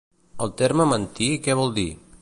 El terme mantí què vol dir?